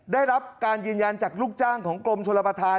ได้รับการยืนยันจากลูกจ้างของกรมชนประธาน